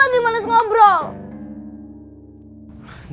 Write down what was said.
ini tuh lu mas atau ngomong